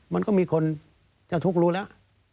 มันก็มีคนเจ้าทุกข์รู้แล้ว